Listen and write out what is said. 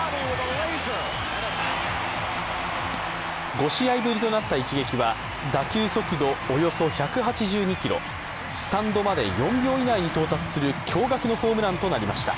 ５試合ぶりとなった一撃は打球速度およそ１８２キロスタンドまで４秒以内に到達する驚がくのホームランとなりました。